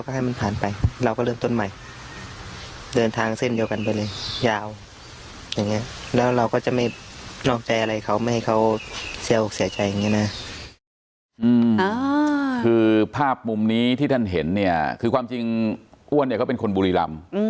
คือภาพมุมนี้ที่ท่านเห็นเนี่ยคือความจริงอ้วนเนี่ยเขาเป็นคนบุรีรำ